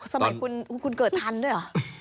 สมัยคุณเกิดทันด้วยเหรอ